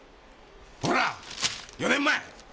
ほらっ４年前！